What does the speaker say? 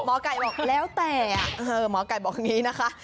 หมอไก่บอกแล้วแต่หมอไก่บอกอย่างนี้นะคะ